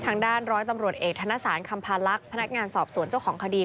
ร้อยตำรวจเอกธนสารคำพาลักษณ์พนักงานสอบสวนเจ้าของคดี